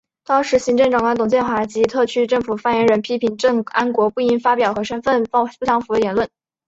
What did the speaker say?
当时行政长官董建华及特区政府发言人批评郑安国不应发表和身份不相符的言论。